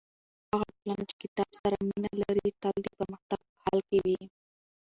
هغه ټولنه چې کتاب سره مینه لري تل د پرمختګ په حال کې وي.